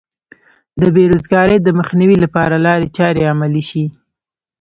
د بې روزګارۍ د مخنیوي لپاره لارې چارې عملي شي.